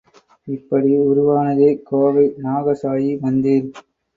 இப்படி உருவானதே கோவை நாகசாயி மந்திர்.